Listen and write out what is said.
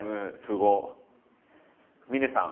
峰さん。